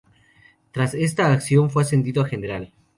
Tras esta acción fue ascendido a general.